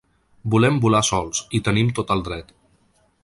Volem volar sols, hi tenim tot el dret.